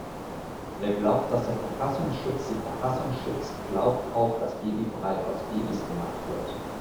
Wer glaubt, dass der Verfassungsschutz die Verfassung schützt, glaubt auch dass Babybrei aus Babys gemacht wird.